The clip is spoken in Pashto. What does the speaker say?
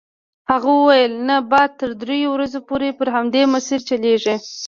هغه وویل نه باد تر دریو ورځو پورې پر همدې مسیر چلیږي.